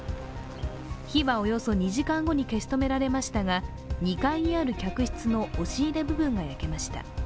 火はおよそ２時間後に消し止められましたが、２階にある客室の押し入れ部分が焼けました。